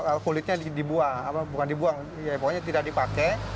kalau kulitnya dibuang bukan dibuang pokoknya tidak dipakai